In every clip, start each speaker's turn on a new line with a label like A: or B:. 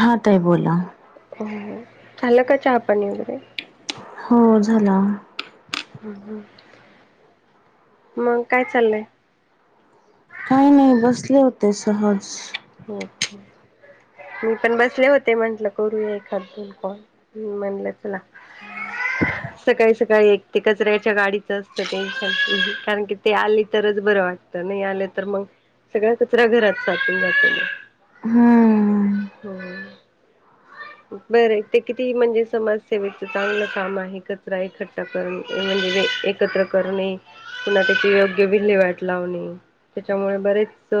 A: हां ते बोला.
B: हम्, झालं का चहा-पाणी वगैरे?
A: हो झाला.
B: ह ह, मग काय चाललंय?
A: काही नाही बसले होते सहज.
B: ओके. मी पण बसले होते म्हटलं करूया एखाद क म्हणलं चला. [unintelligible] सकाळी-सकाळी एक ते कचऱ्याच्या गाडीचं असतं टेन्शन कारण की ते आले तरच बरं वाटत. नाही आले तर मग सगळ्या कचऱ्या घरात साचून जात.
A: हम्म.
B: हम्. बरं ते किती म्हणजे समाजसेवेच चांगलं काम आहे कचरा एकट्ठा करून म्हणजे. तिथं करणे. पुन्हा त्याची योग्य विल्हे वाट लावणे त्याच्यामुळे बरेच.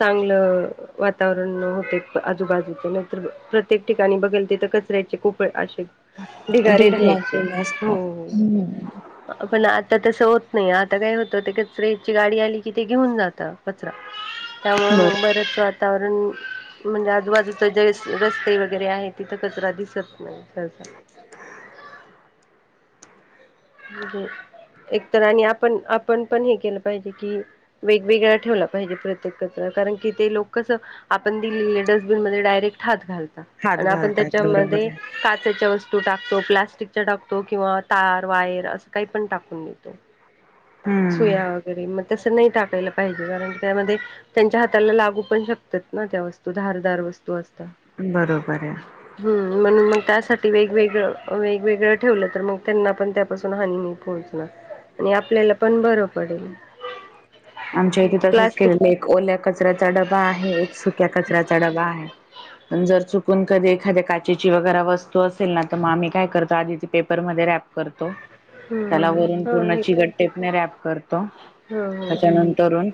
B: चांगलं. वातावरण होते आजूबाजूचे नंतर प्रत्येक ठिकाणी बघेल ते तर कचऱ्याचे कोपळे असे. ढिगारी
A: ढीग
B: राहायची
A: लागलेले
B: हो.
A: असतात हम्म
B: पण आता तसं होत नाही आता काय होतं ते कचऱ्याची गाडी आली कि ते घेऊन जात कचरा. त्यामुळे
A: बर
B: मग बरच वातावरण म्हणजे आजूबाजूच जे रस्ते वगैरे आहे तिथं कचरा दिस तात. म्हजे एकतरी आणि आपण, आपण पण हे केलं पाहिजे कि वेगवेगळा ठेवला पाहिजे प्रत्येक कचरा कारण की ते लोकच आपण दिले डस्टबिन मध्ये डायरेक्ट हात घालता
A: हात
B: आणि आपण
A: घालतात बरोबर
B: त्याच्यामध्ये काचेच्या वस्तू टाकतो, प्लास्टिक टाकतो किंवा तार प्लायवूड अस काय पण टाकून देत्तो, सुया
A: हम्म
B: वगैरे मग तस नाही टाकायला पाहिजे कारण त्यामध्ये त्यांच्या हाताला लागू पण शकतात ना त्या वस्तू धारदार वस्तू असतात.
A: बरोबर आहे.
B: हम् म्हणून मग त्यासाठी वेगवेगळं, वेगवेगळं ठेवलं तर मग त्यांना पण त्यापासून हानी नाही पोहोचणार आणि आपल्याला पण बरं पडेल.
A: आमच्या इथे तसंच
B: प्लास्टिक
A: केलेलं एक ओल्या कचऱ्याचा डबा आहे एक सुक्या कचऱ्याचा डबा आहे. पण जर चुकून कधी एखा्या काचेची वगैरे वस्तू असेल ना तर मग आम्ही काय करतो आधी ती पेपरमध्ये रॅप करतो त्याला
B: हम्म
A: वरून
B: हा
A: पूर्ण
B: हे पण
A: चिगट टेपणे रॅप करतो.
B: ह
A: त्याच्यानंतरून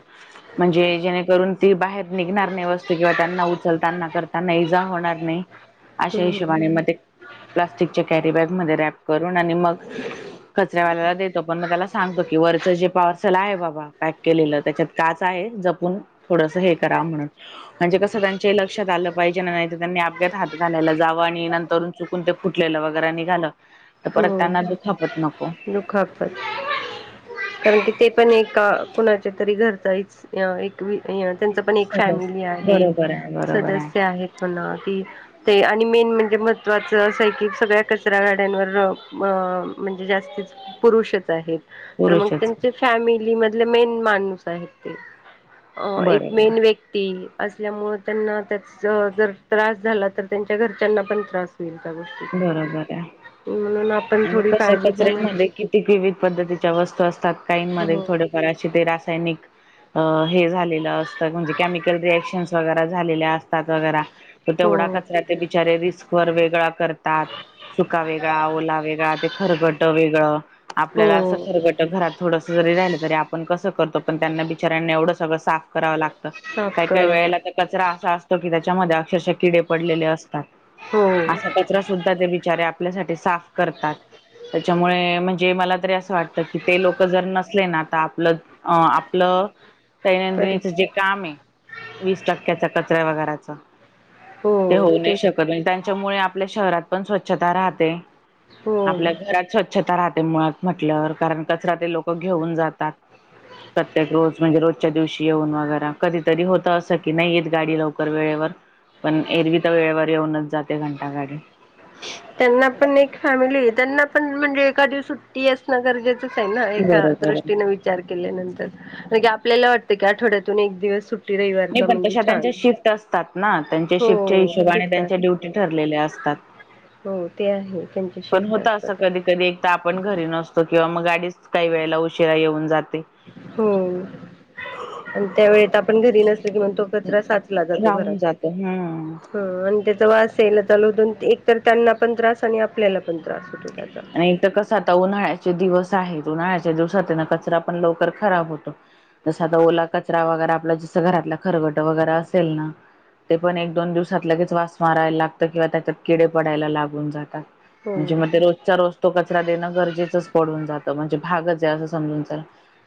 A: म्हणजे जेणेकरून ती बाहेर निघणार नाही वस्तू किंवा त्यांना उचलताना करताना इजा होणार नाही.
B: ह
A: अशे हिशोबाने मग ते प्लास्टिकच्या कॅरी बॅग मध्ये रॅप करून आणि मग कचऱ्यावाल्याला देतो पण मग त्याला सांगतो की वरच जे पार्सल आहे बाबा पॅक केलेलं त्याच्यात काच आहे जपून थोडस हे करा म्हणून. म्हणजे कसं त्यांच्या लक्षात आलं पाहिजे ना नाही त्यांनी अप्यात हात घालायला जावं आणि नंतर चुक कोण ते फुटलेलं वगैरे निघालं. तर परत
B: हो
A: त्यांना दुखापत नको.
B: दुखापत, कारण कि ते पण एका कुणाच्यातरी घरचा हाईत. अ एक त्यांच पण एक
A: सरस
B: फॅमिली आहे
A: बरोबर आहे बरोबर आहे
B: सदस्य आहेत. म्हणा ती ते आणि मेन म्हणजे महत्त्वाचं अस आहे की सगळ्या कचरा गाड्यांवर हो मग म्हणजे जास्तीच पुरुषवआहेत मग
A: पुरुषच
B: त्यांचेच. फॅमिली मधले मेन माणूस आहेत, अ एक
A: बरोबर
B: मेन व्यक्ती ती असल्यामुळे त्यांना त्याच जर त्रास झाला तर त्यांच्या घरच्यांना पण त्रास एका गोष्टीचा.
A: मग आता.
B: म्हणून आपण थोडी काळजी घेऊन
A: किती विविध पद्धतीच्या वस्तू असतात काहींमध्ये
B: हो
A: थोडेफार अशी ते रासायनिक अ हे झालेलं असतं म्हणजे केमिकल रिएक्शन्स वगैरे झालेल्या असतात वगैरा. मग
B: हो
A: तेवढा कचरा ते बिचारे रिस्क वर वेगळा कर तात सुका वेगळा, ओला वेगळा ते खरगट वेगळं आपल्याला
B: हो
A: खरबट घरात थोडस जरी राहिलं तरी आपण कसं करतो पण त्यांना बिचऱ्यांना एवढं सगळं साफ करावं लागतं. काही
B: साफ
A: काही
B: करावा
A: वेळेला
B: लागतो.
A: तर कचरा असा असतो कि त्याच्यामध्ये अक्षरशः किडे पडलेले असता त, असा
B: हो
A: कचरा सुद्धा ते बिचारे तरी आपल्यासाठी साफ करत्यात त्याच्यामुळे म्हण जे मला तरी असं वाटत की ते लोक जर नसले ना तर आपलं अ आपलं
B: तरी
A: दैनंदिनीच जे काम आहे वीस टक्क्याचा कचऱ्या वगैरेच
B: हो
A: ते होऊ नाही
B: तेच
A: शकत म्हणजे त्यांच्यामुळे आपल्या शहरात पण स्वच्छता राहते.
B: हो
A: आपल्या घरात स्वच्छता राहते मुळात म्हटलं कारण कचरा ते लोक घेऊन जातात. प्रत्येक रोज म्हणजे रोजच्या दिवशी येऊन वगैरे कधीतरी होत असं की नाही येत गाडी लवकर वेळेवर. पण एरवी तर वेळेवर येऊनच जाते घंटा गाडी.
B: त्यांना पण एक फॅमिली आहे त्यांना पण म्हणजे एका दिवस सुट्टी असणं गरजेच [unintelligible] ना एका
A: बरोबर आहे.
B: दृष्टीने विच विचार केल्यांतर, नाही का आपल्याला वाटतं की आठवड्यातून एक दिवस सुट
A: नाही पण तश त्यांच्या शिफ्ट असतात ना त्यांच्या
B: हो
A: शिफ्टच्या हिशोबाने
B: शिफ्ट
A: त्यांच्या
B: असत
A: ड्युटी ठरलेल्या असत. तात
B: हो ते आहे त्यां
A: पण होत असं कधी-कधी एकदा आपण घरी नसतो किंवा मग गाडीच काही वेळेला उशिरा येऊन जाते.
B: हो. आणि त्या वेळत आपण घरी नसल की मग तो कचरा साचला जातो
A: राहून
B: घरातच,
A: जातो हम्म.
B: हा. अन त्याचा वास येल चालू होतो एक तर त्यांना पण त्रास आणि आपल्याला पण त्रास होतो त्याचा.
A: आणि एक तर कसं आता उन्हाळ्याचे दिवस आहेत उन्हाळ्याच्या दिवसात ना कचरा पण लवकर खराब होतो. तस आता ओला कचरा वगैरे आपलं जसं घरातला खरवट वगैरे असेल ना ते पण एक-दोन दिवसात लगेच वास मारायला लागतं किंवा त्याच्यात किडे पडायला लागून जातात.
B: हो
A: म्हणजे मग ते रोजचा रोज तो कचरा देणं गरजेचंच पडून जातं म्हणजे भागच आहे असं समजून चला.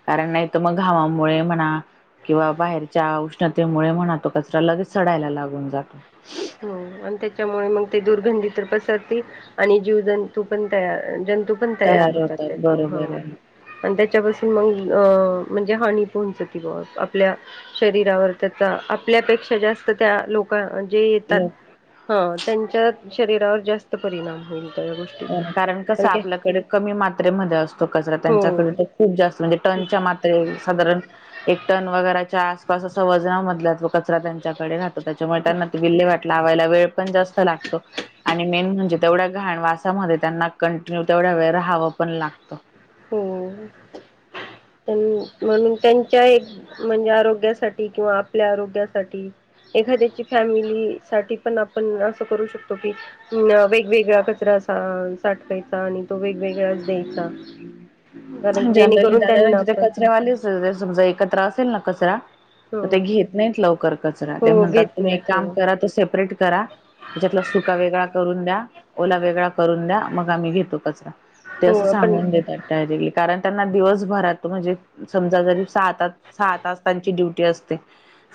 A: कारण नाही तर मग घामावमुळे म्हणा. किंवा बाहेरच्या उष्णतेमुळे म्हण तो कचरा लगेच सडायला लागून जातो.
B: हो अन त्याच्यामुळे मग ते दुर्गंधी तर पसरतील. आणि जीवजंतू पण तया जंतू पण तयार होतात त्यातन हो. आणि त्याच्यापासून मग अ म्हणजे हानी पोहचती बा आपल्या शरीरावर त्याचा आपल्यापेक्षा जास्त त्या लोक ‍जे त्यात
A: आहे.
B: हा, त्यांच्या शरीरावर जास्त परिणाम होईल त्या गोष्टीचा
A: कारण कस आपल्याकडे कमी मात्रेमध्ये असतो कचरा
B: हो
A: त्यांच्याकडे तर खूप जास्त म्हणजे टनच्या मात्र ते साधारण एक टन वगैरच्या आसपास अस वजन मधल्यात कचरा त्यांच्याकडे राह त्याच्यामुळे त्यांना विल्हे वाट लावायला वेळ पण जास्त लागतो आणि मेन म्हणजे तेवढा घाण वास त्यामध्ये त्यांना कंटिन्यू तेवढ्या वेळ राहावं पण लागतं.
B: हो, म्हणून त्यांच्या एक म्हणजे आरोग्यासाठी किंवा आपल्या आरोग्यासाठी. एखाद्याची फॅमिली साठी पण आपण असं करू शकतो की अ वेगवेगळा कचरा साठवायचा आणि तो वेगवेगळाच द्यायचा. कारण की
A: जनरली
B: जेणेकरून
A: दादा
B: त्यांना
A: [unintelligible]
B: आपण
A: कचऱ्यावाले असते समजा एकत्र असेल ना कचरा
B: हो
A: मग ते घेत नाहीत लवकर कचरा ते
B: हो
A: म्हणतात
B: घेत
A: तुम्ही एक
B: नाहीत हो
A: काम करा तो सेपरेट करा. त्याच्यातला सुका वेगळा करून द्या, ओला वेगळा करून द्या मग आम्ही घेतो कचरा. ते
B: हो
A: असं
B: आपण
A: सांगून देतात डायरेक्टली. कारण त्यांना दिवसभरात म्हणजे समजा जरी सहा तास, सहा तास त्यांची ड्युटी असते.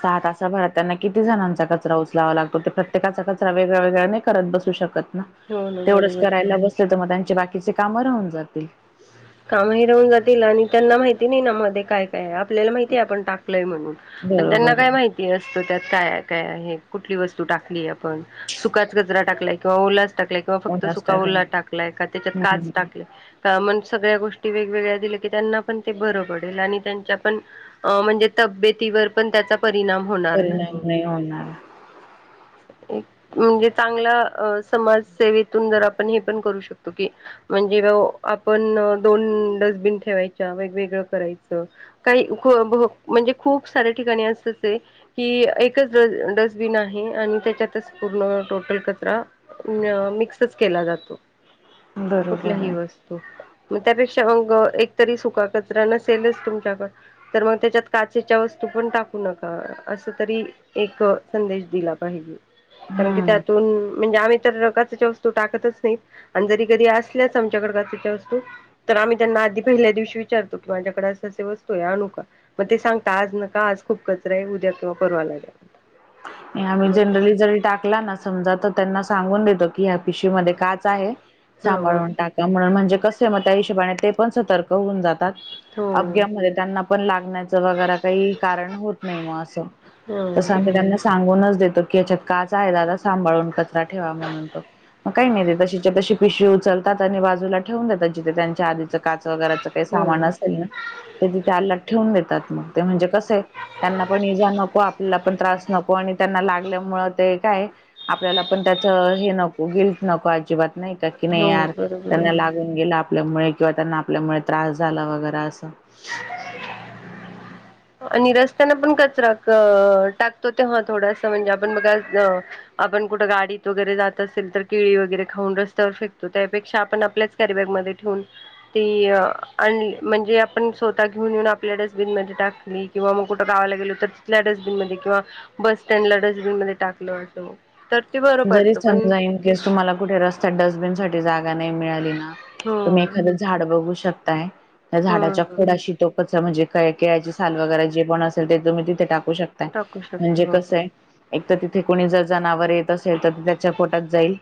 A: सहा तासाभरात त्यांना किती जणांचा कचरा उचलावा लागतो ते प्रत्येकाचा कचरा वेगळ्या-वेगळ्या नाही का करत बसू शकत ना
B: हो ना
A: तेवढंच
B: बरोबर
A: करायला बसल तर मग त्यांचे बाकीचे कामं राहून जातील.
B: काम हि राहून जातील आणि त्यांना माहिती नाही ना मध्ये काय काय आपल्याला माहितीय आपण टाकलय म्हणून पण
A: बरोबर
B: त्यांना काय
A: आहे
B: माहिती असत त्यात काय, काय हे कुठली वस्तू टाकली आपण सुकाच कचरा टाकला. किंवा उलाच टाकलाय किंवा फक्त
A: जास्त आहे
B: सुकावला टाकलाय का त्याच्यात
A: पण
B: काच टाकलाय सगळ्या गोष्टी वेगवेगळ्या दिल्या की त्यांना पण ते बरं पडेल आणि त्यांच्या पण अ म्हणजे तब्येतीवर पण त्याचा परिणाम होणार नाही. [inaudible]
A: परिणाम होणार.
B: म्हणजे चांगला समाजसेवेतून जर आपण हे पण करू शकतो की म्हणजे आपण दोन डस्टबिन ठेवायच्या वेगवेगळं करायचं. काही म्हणजे खूप सऱ्या ठिकाणी असतच आहे. कि एकच डस्टबिन आहे आणि त्याच्यातच पूर्ण टोटल कचरा न मिक्सच केला जातो.
A: बरोबर
B: कुठल्याही
A: आहे.
B: वस मग त्यापेक्षा अग एकतरी सुका कचरा नसेलच तुमच्याकड तर मग त्याच्यात काचेच्या वस्तू पण टाकू नका असं तरी एक संदेश दिला पाहिजे. कारण की
A: हम्म
B: त्यातून म्हणजे आम्ही तर काचेच्या वस्तू टाकतच नाही आणि जरी कधी असल्याच आमच्याकड काचच्या वस्तु तर आम्ही त्यांना आधी पहिल्या दिवशी विचारतो. की माझ्याकडे अस -अस वस्तू आहे अनु का? मग ते सांगता आज नका आज खूप कचरा आहे उद्या किंवा परवा लागल.
A: आम्ही
B: मग त्याच
A: जनरली जरी टाकला ना समजा तर त्यांना सांगून देतो की ह्या पिशवी मध्ये काच आहे.
B: हो
A: सांभळून टाक त्यामुळ म्हणजे कसय म त्या हिशेबाने ते पण सतर्क होऊन जातात.
B: हो
A: अपघ्यामध्ये त्यांना पण लागण्याचं वगैर काही कारण होत नाही म अस
B: हो
A: तस आम्ही त्यांना सां सांगूनच देतो की यच्यात काच आहे दादा सांभाळून कचरा ठेवा म्हणून तो. मग काही नाही ते तशीच्या तशी पिशवी उचलतात आणि बाजूला ठेवून देतात जिथं त्यांच्या आधीचं काच वगैराच ते
B: हो
A: सामान असेल ना ते तिथे अल्लात ठेवून देतात मग. ते म्हणजे कसं आहे? त्यांना पण इजा नको आपल्याला पण त्रास नको आणि त्यांना लागल्यामुळ ते काय आपल्याला पण त्याच हे नको. गिल्ट नको. अजिबात नाही का? की नाही
B: हो
A: यार
B: बरोबर
A: त्यांना
B: आहे
A: लाग ऊन गेल आपल्यामुळे किंवा त्यांना आपल्यामुळे त्रास झाला वगैर असं
B: आणि रस्त्यान पण कचरा क टाकतो तेव्हा थोडासा म्हणजे आपण बघा आपण कुठं गाडीत वगैरे जात असेल तर केळी वगैरे खाऊन रस्त्यावर फेकतो त्यापेक्षा आपण आपल्याच कॅरीबॅग मध्ये ठेवून ती आणली. म्हणजे आपण स्वतः घेऊन येऊन आपल्या डस्टबिनमध्ये टाक किंवा मंग कुठ गावाला गेलो तर तिथल्या डस्बिन मध्ये किंवा बस स्टँडला डस्टबिन मध्ये टाकलं असं तर ते बरं
A: जरी
B: पडतं पण
A: समजा ईन केस तुम्हाला कुठे रस्त्यात डस्टबिन साठी जागा नाही मिळाली ना
B: हो
A: तुम्ही एखाद झाड बघू शकताय. त्या
B: हो
A: झाडाच्या खोडाशी त्यो कचरा म्हणजे काय? केळाची साल वगैरे जे कोण असेल ते तुम्ही तिथे टाकू शकताय.
B: टाकू शकतो
A: म्हणजे
B: हो
A: कसं आहे - - एक तर तिथे कोणी जर जनावर येत असेल तर त्याच्या पोटात जाईल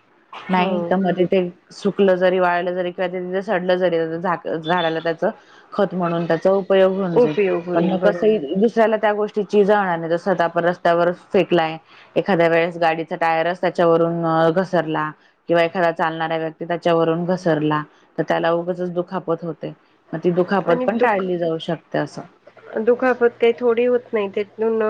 A: नाही
B: हो
A: तर मग तिथे सुकलं जरी वाळलं जरी किंवा तिथ सडलं जरी झाक - झाडाला त्याच खत म्हणून त्याचा उपयोग होऊन जाईल
B: उपयोग
A: पण
B: होईल
A: मग कस ही
B: बरोबर
A: दुसऱ्याला त्या गोष्टी गोष्टीची जाण आणि स्वतः आपण रस्त्यावर फेकलाय एखाद्या वेळेस गाडी टायर स त्याच्यावरून अ घसरला किंवा एखादा चालणारा व्यक्ती त्याच्यावरून घसरला तर त्याला उगचच दुखापत होते. मग ती दुखापत
B: आणि
A: पण
B: दुःख
A: टाळली जाऊ शकते असं.
B: दुखापत काही थोडी होत नाही त्यात नुन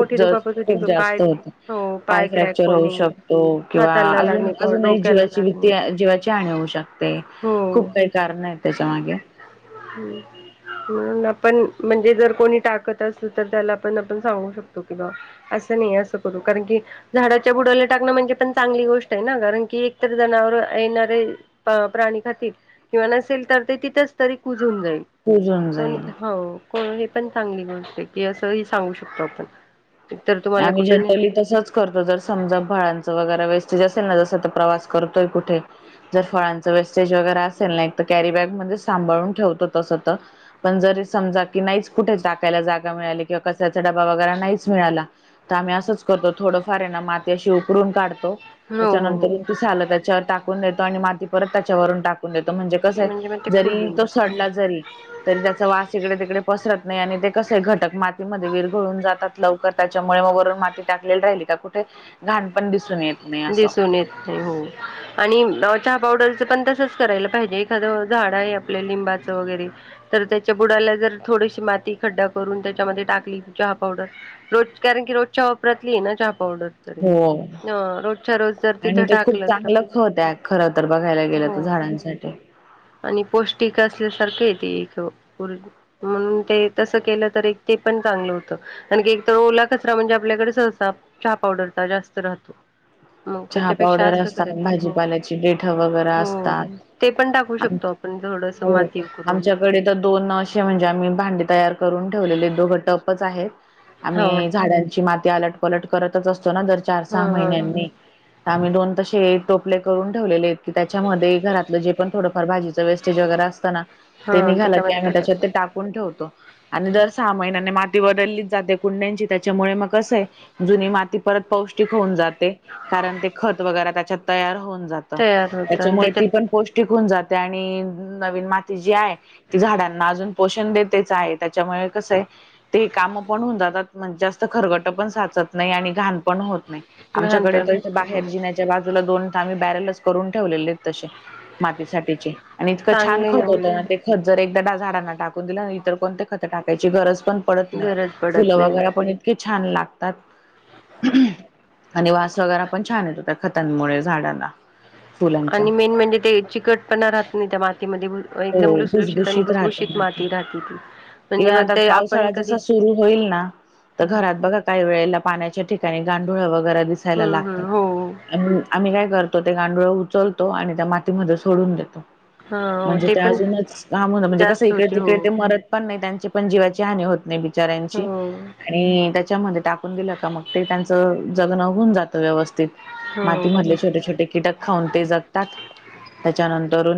A: खूप ज खूप जास्त होते.
B: हो
A: पाय
B: क्रॅक
A: फ्रॅक्चर होऊ
B: होणे
A: शकतो. किंवा
B: हाताला
A: अजून
B: लागणे किंवा
A: अजूनही
B: डोक्याला
A: जीवाची
B: लागणे
A: भीती, जीवाची हानी होऊ शकते.
B: हो
A: खूप काही कारण आहे त्याच्या मागे.
B: हम्म. म्हणून आपण म्हणजे जर कोणी टाकत असल तर त्याला पण आपण सांगू शकतो कि बा असं नाही. असं करू. कारण की झाडाच्या बुडाला टाकणं म्हणजे पण चांगली गोष्ट आहे ना? कारण की एकतर जनावर येणारे अ प्राणी खातील किंवा नसेल तर ते तिथंच तरी कुजून जाईल.
A: कुजून
B: आणि
A: जाईल.
B: काय हो को हे पण चांगली गोष्ट आहे की असं ही सांगू शकतो आपण. तर तुम्हाला
A: आम्ही
B: कुठं नाही
A: जनरली तसंच करतो जर समजा बाहरच वगैरे वेस्टेज असेल ना जस तर प्रवास करतोय कुठे. जर फळांचं वेस्टेज वगैरे असेल नाही तर कॅरी बॅग मध्ये सांभाळून ठेवतो तस तर. पण जरी समजा की नाहीच कुठे टाकायला जागा मिळाली किंवा कशाचा डबा वगैरे नाहीच मिळाला. तर आम्ही असंच करतो थोडंफार आहेना माती अशी उकडून काढतो
B: हो हो हो
A: त्याच्यानंतर ती सालं त्याच्यावर टाकून देतो आणि माती परत त्याच्यावरून टाकून देतो म्हणजे कसं
B: म्हणजे मग ते
A: आहे जरी
B: कुजून
A: तो
B: टाकत.
A: सडला जरी तरी त्याचा वास इकडे-तिकडे पसरत नाही आणि ते कसं आहे घटक मातीमध्ये विरघळून जातात लवकर. त्याच्यामुळे मग वरून माती टाकली राहिली का कुठे घाण पण दिसून येत. नाही असं.
B: दिसुन येते होय. आणि चहा पावडरच पण तसच करायला पाहिजे एखादं झाड आहे आपल्या लिंबाचं वगैरे. तर त्याच्या बुडाला जर थोडीशी माती खड्डा करून त्याच्यामध्ये टाकली त चहा पावडर. रोज कारण क रोज चहा वापरातली आहे ना चहा पावडर,
A: हो.
B: अ.
A: आणि ते खूप चांगलं खत आहे खरं तर बघायला गेलं तर
B: हो.
A: झाडांसाठी.
B: आणि पौष्टिक असल्यासारखं येत एक. म्हणून ते तसं केलं तरी ते पण चांगलं होतं. आणखी एक तर ओला कचरा म्हणजे आपल्याकडे सहसा चहा पावडरचा जास्त राहतो. मग
A: चहा
B: त्याच्यापेक्षा
A: पावडर
B: असं
A: असतात
B: करायचं हो
A: भाजीपाल्याची पेठ वगैरे
B: हो
A: असतात.
B: ते पण टाकू
A: [inaudible]
B: शकतो आपण थोडस
A: हो
B: माती उकरून
A: आमच्याकडे तर दोन असे म्हणजे आम्ही भांडी तयार करून ठेवलेले दोघं टपच आहेत
B: हो हा
A: आम्ही झाडां माती आलट-पलट करतच असतो ना दर चार-सहा
B: हा
A: महिन्यांनी. आम्ही दोन तसे टोपले करून ठेवलेले आहेत. कि त्याच्यामध्ये घरातलं जे पण थोडंफार भाजीचं वेस्टेज वगैरे असतना. ते
B: हा
A: निघाला की
B: त्याच्यामध्ये
A: आम्ही त्याच्यात
B: टाकायचं
A: ते टाकून ठेवतो. आणि दर सहा महिन्याने माती बदललीच जाते कुंड्यांची त्याच्यामुळे मग कसं आहे जुनी माती परत पौष्टिक होऊन जाते. कारण ते खत वगैरे त्याच्यात तयार होऊन जात
B: तयार होतं आणि
A: त्याच्यामुळे ती पण
B: त्याच्यात
A: पौष्टिक होऊन जाते आणि नवीन माती जी आहे ती झाडांना अजून पोषण देतेच आहे त्याच्यामुळे कसं आहे ते काम पण होऊन जातात. आणि जास्त खरगट पण साचत नाही आणि का पण होत नाही.
B: घाण
A: आमच्याकडे
B: पण हो
A: बाहेर जिण्याच्या बाजूला दोन् बॅरलच करून ठेवलेले आहेत. तसे मातीसाठीचे आणि इतकं छान
B: चांगले
A: खत होत
B: न
A: ना ते खत जर एकदा झाडांना टाकून दिला इतर कोणते खत टाकायची गरज पण पडत नाही
B: गरज
A: फुलं
B: पडत नाही
A: वगैरे पण इतके छान लागतात. आणि वास वगैरे पण छान येतो त्या खतांमुळे झाडांना. फुलांचा.
B: आणि मेन म्हणजे ते चिकटपणा राहत नाही त्या मातीमध्ये. एकदम लुसलुसत आणि भुसभुशीत माती राहती ती. म्हणजे
A: इव्हन
B: मग
A: आता
B: ते आपण
A: पावसाळा
B: कधी
A: जसा सुरू होईल ना तर घरात बघा काही वेळेला पाण्याच्या ठिकाणी गांढोळ वगैरे दिसायला
B: हम्म
A: लागतात.
B: हम्म हो
A: आम्ही काय करतो ते गांडुळ उचलतो आणि त्या मातीमध्ये सोडून देतो.
B: हा
A: म्हणजे ते
B: पण
A: अजूनच काम होत म्हणजे कसं
B: जास्त होते हो
A: इकडे-तिकडे ते मरत पण नाही त्यांची पण जीवाची हानी होत नाही
B: हो
A: बिचाऱ्यांची. आणि त्याच्यामध्ये टाकून दिलं का मग ते त्यांचं जगण होऊन जातं व्यवस्थित.
B: हो
A: मातीमधले
B: बरोबर
A: छोटे-छोटे कीटक खाऊन ते जगतात त्याच्यानंतर